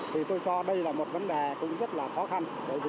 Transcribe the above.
thì tôi cho đây là một vấn đề rất khó khăn